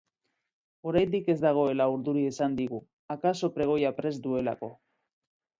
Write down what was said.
Oraindik ez dagoela urduri esan digu, akaso pregoia prest duelako.